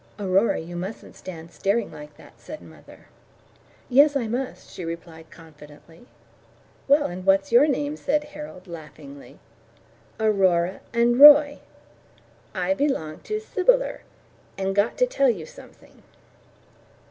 "Aurora, you mustn't stand staring like that," said mother. "Yes, I must," she replied confidently. "Well, and what's your name?" said Harold laughingly. "Aurora and Roy. I belong to Sybyller, and got to tell you somesing."